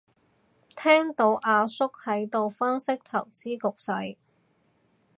聽到個阿叔喺度分析投資局勢